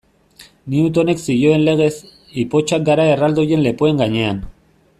Newtonek zioen legez, ipotxak gara erraldoien lepoen gainean.